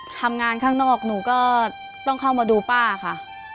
ข้างนอกหนูก็ต้องเข้ามาดูป้าค่ะ